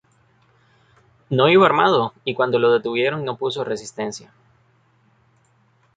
No iba armado y cuando lo detuvieron no opuso resistencia.